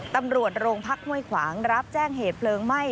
ตำรวจโรงพักห้วยขวางรับแจ้งเหตุเพลิงไหม้